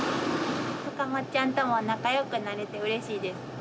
さかもっちゃんとも仲良くなれてうれしいです。